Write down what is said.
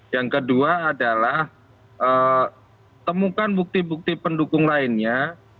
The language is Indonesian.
yang kedua adalah temukan bukti bukti pendukung lainnya